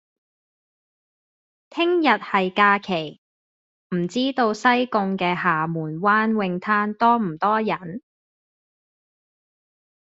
聽日係假期，唔知道西貢嘅廈門灣泳灘多唔多人？